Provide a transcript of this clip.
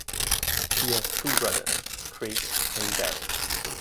He has two brothers, Craig and Darryl.